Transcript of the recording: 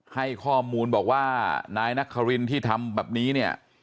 ให้ข้อมูลบอกว่านายนครินที่ทำแบบนี้เนี่ย